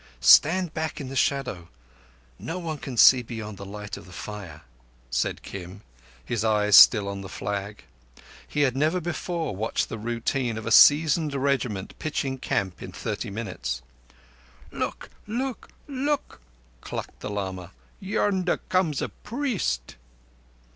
"Stand back in the shadow. No one can see beyond the light of a fire," said Kim, his eyes still on the flag. He had never before watched the routine of a seasoned regiment pitching camp in thirty minutes. "Look! look! look!" clucked the lama. "Yonder comes a priest."